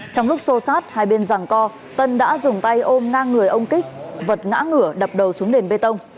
trong lúc xô sát hai bên rằng co tân đã dùng tay ôm na người ông kích vật ngã ngửa đập đầu xuống nền bê tông